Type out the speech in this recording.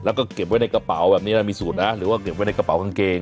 แล้วก็เก็บไว้ในกระเป๋าแบบนี้นะมีสูตรนะหรือว่าเก็บไว้ในกระเป๋ากางเกง